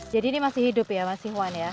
jadi ini masih hidup ya mas ikhwan ya